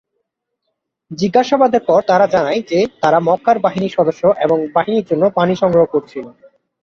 জিজ্ঞাসাবাদের পর তারা জানায় যে তারা মক্কার বাহিনীর সদস্য এবং বাহিনীর জন্য পানি সংগ্রহ করছিল।